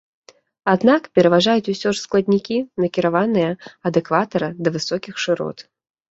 Аднак пераважаюць ўсё ж складнікі, накіраваныя ад экватара да высокіх шырот.